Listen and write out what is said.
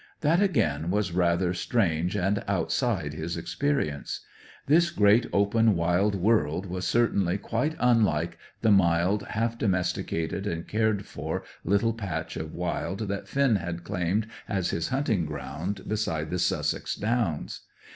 That again was rather strange and outside his experience. This great open wild world was certainly quite unlike the mild, half domesticated and cared for little patch of wild that Finn had claimed as his hunting ground beside the Sussex Downs.